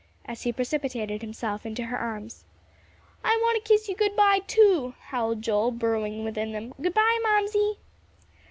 as he precipitated himself into her arms. "I want to kiss you good by, too," howled Joel, burrowing within them; "good by, Mamsie!"